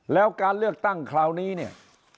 แล้วการเลือกตั้งคราวนี้เนี่ย